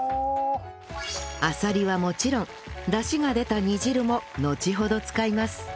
あさりはもちろんダシが出た煮汁ものちほど使います